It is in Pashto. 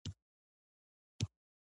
له خپل سره یې بوج لرې کړ.